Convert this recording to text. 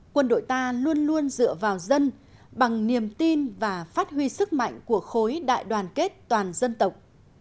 quân đội ta luôn luôn dựa vào dân bằng niềm tin và phát huy sức mạnh của khối đại đoàn kết toàn dân tộc